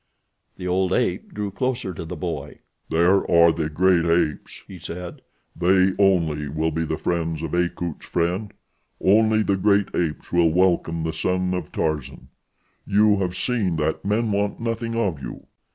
The old ape drew closer to the boy. "There are the great apes," he said. "They only will be the friends of Akut's friend. Only the great apes will welcome the son of Tarzan. You have seen that men want nothing of you.